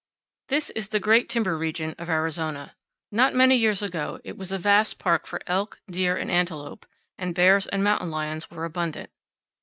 This is the great timber region of Arizona. Not many years ago it was a vast park for elk, deer, and antelope, and bears and mountain lions were abundant.